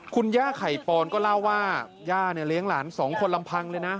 คุณย่าไข่ปอนก็เล่าว่าย่าเนี่ยเลี้ยงหลานสองคนลำพังเลยนะ